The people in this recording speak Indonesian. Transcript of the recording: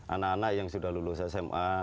anak anak yang sudah lulus sma